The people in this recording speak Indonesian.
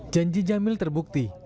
janji jamil terbukti